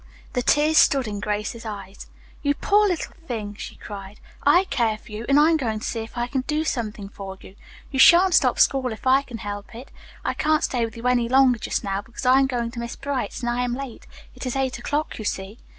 The tears stood in Grace's eyes. "You poor, little thing!" she cried. "I care for you, and I'm going to see if I can do something for you. You shan't stop school if I can help it. I can't stay with you any longer, just now, because I am going to Miss Bright's and I am late. It is eight o'clock, you see."